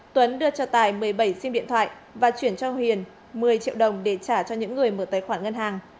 tuấn đưa cho tài một mươi bảy sim điện thoại và chuyển cho huyền một mươi triệu đồng để trả cho những người mở tài khoản ngân hàng